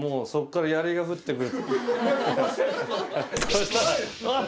そしたら。